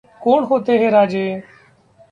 कोण होते हे राजे?